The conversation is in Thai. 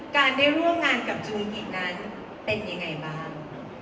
การได้ร่วมงานกับธุรกิจนั้นเป็นยังไงบ้าง